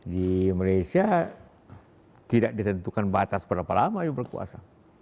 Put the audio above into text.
di malaysia tidak ditentukan batas berapa lama yang berkuasa